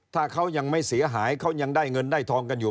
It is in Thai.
ถ้าเขายังไม่เสียหายเขายังได้เงินได้ทองกันอยู่